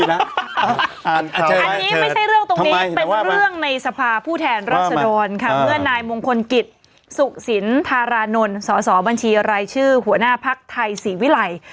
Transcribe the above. อันนี้ไม่ใช่เรื่องตรงนี้เป็นเรื่องในสภาผู้แทนรัศดรค่ะเมื่อนายมงคลกิจสุขสินธารานนท์สอสอบัญชีรายชื่อหัวหน้าภักดิ์ไทยศรีวิรัย